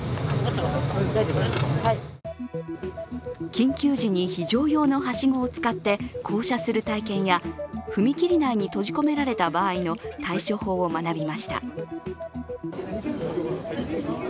緊急時に非常用のはしごを使って降車する体験や踏切内に閉じ込められた場合の対処法を学びました。